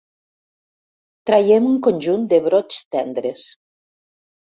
Traiem un conjunt de brots tendres.